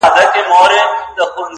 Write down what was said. نسه ـ نسه جام د سوما لیري کړي”